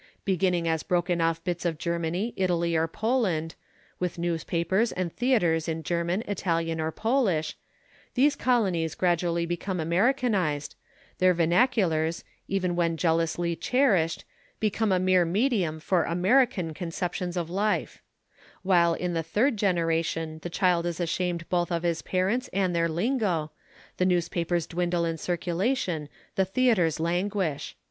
Beginning as broken off bits of Germany, Italy, or Poland, with newspapers and theatres in German, Italian, or Polish, these colonies gradually become Americanised, their vernaculars, even when jealously cherished, become a mere medium for American conceptions of life; while in the third generation the child is ashamed both of its parents and their lingo, the newspapers dwindle in circulation, the theatres languish.